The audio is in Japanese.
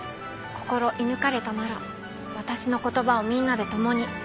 心射抜かれたなら私の言葉をみんなで共に。